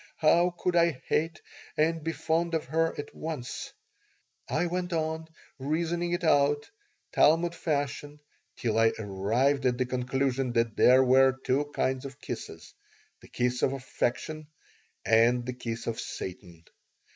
How could I hate and be fond of her at once? I went on reasoning it out, Talmud fashion, till I arrived at the conclusion that there were two kinds of kisses: the kiss of affection and the kiss of Satan.